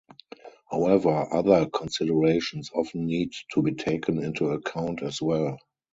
However, other considerations often need to be taken into account as well.